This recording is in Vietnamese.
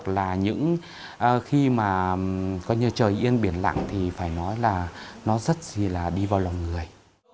là những khi mà coi như trời yên biển lặng thì phải nói là nó rất gì là đi vào lòng người